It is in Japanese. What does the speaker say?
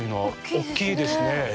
大きいですね。